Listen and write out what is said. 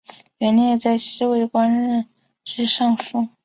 元烈在西魏官至尚书。